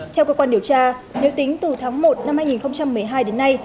theo cơ quan điều tra nếu tính từ tháng một năm hai nghìn một mươi hai đến nay